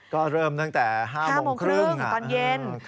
ก็เริ่มตั้งแต่๕โมงครึ่งตอนเย็น